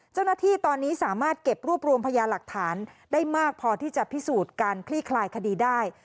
เจ้าหน้าที่ตอนนี้สามารถเก็บรวบรวมพยาหลักฐานได้มากพอที่จะพิสูจน์การคลี่คลายคดีได้